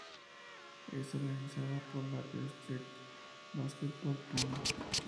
Es organizada por la Deutscher Basketball Bund.